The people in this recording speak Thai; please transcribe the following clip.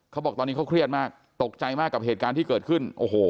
เขาบอกตอนนี้เขาเครียดมากตกใจมากกับเหตุการณ์ที่เกิดขึ้นโอ้โห